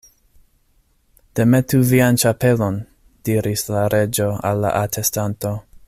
"Demetu vian ĉapelon," diris la Reĝo al la atestanto.